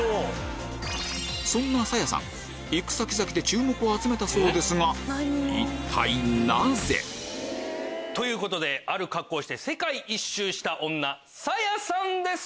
そんなさやさん行く先々で注目を集めたそうですが一体なぜ？ということである格好をして世界一周した女さやさんです。